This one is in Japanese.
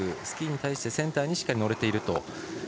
スキーに対してセンターにしっかり乗れていると。